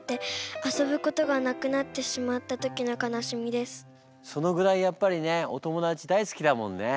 私はそのぐらいやっぱりねお友達大好きだもんね。